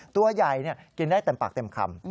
ตัวใหญ่กินได้เต็มปากเต็มคำ